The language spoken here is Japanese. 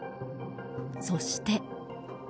そして。